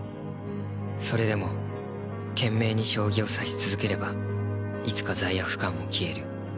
それでも懸命に将棋を指し続ければいつか罪悪感も消える。